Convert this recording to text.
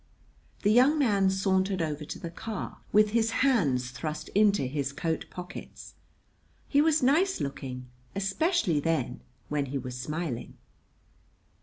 The young man sauntered over to the car, with his hands thrust into this coat pockets. He was nice looking, especially then, when he was smiling.